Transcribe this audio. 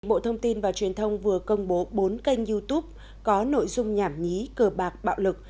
bộ thông tin và truyền thông vừa công bố bốn kênh youtube có nội dung nhảm nhí cờ bạc bạo lực